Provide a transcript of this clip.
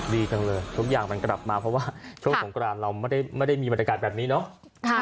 ดีจังเลยทุกอย่างมันกลับมาเพราะว่าช่วงสงกรานเราไม่ได้มีบรรยากาศแบบนี้เนาะ